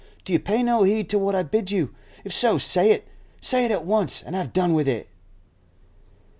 Do you pay no heed to what I bid you? If so, say it! Say it at once, and have done with it.